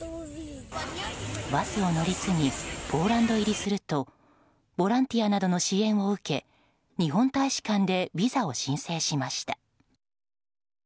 バスを乗り継ぎポーランド入りするとボランティアなどの支援を受け日本大使館でビザを申請しました。